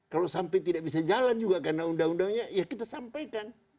kalau sampai tidak bisa jalan juga karena undang undangnya ya kita sampaikan